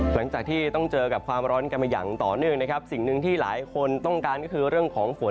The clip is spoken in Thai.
หลังจากที่ต้องเจอกับความร้อนกันมาอย่างต่อเนื่องนะครับสิ่งหนึ่งที่หลายคนต้องการก็คือเรื่องของฝน